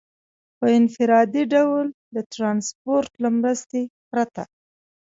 په انفرادي ډول د ټرانسپورټ له مرستې پرته.